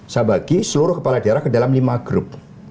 saya bagi seluruh kepala daerah ke dalam lima grup